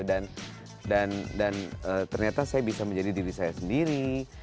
dan ternyata saya bisa menjadi diri saya sendiri